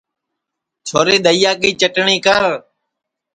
چھوری دؔئیا کی چٹٹؔی کر